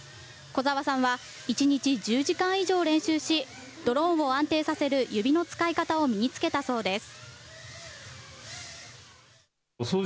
小澤さんは１日１０時間以上練習し、ドローンを安定させる指の使い方を身につけたそうです。